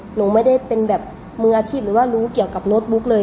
หนูไม่ได้เป็นแบบมืออาชีพหรือว่ารู้เกี่ยวกับโน้ตบุ๊กเลย